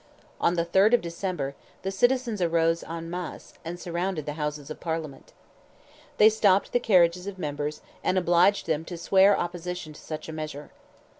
On the 3rd of December, the citizens rose en masse, and surrounded the Houses of Parliament. They stopped the carriages of members, and obliged them to swear opposition to such a measure.